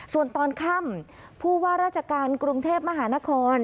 ส่วนตอนค่ำผู้ว่าราชการกรุงเทพมหานคร